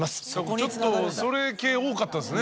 ちょっとそれ系多かったですね。